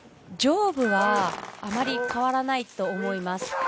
上部はあまり変わらないと思います。